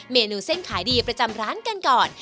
เมนูเส้นขายดีประจำร้านกันก่อน